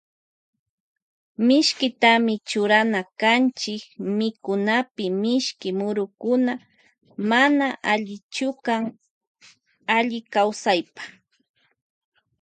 Mishkitami churana kanchi mikunapi mishki murukuna mana allichukan alli kawsaypa.